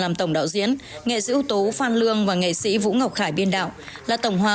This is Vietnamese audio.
làm tổng đạo diễn nghệ sĩ ưu tố phan lương và nghệ sĩ vũ ngọc khải biên đạo là tổng hòa